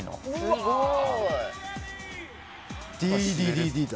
すごい！